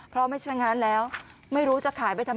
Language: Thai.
เพราะไม่ใช่งั้นแล้วไม่รู้จะขายไปทำไม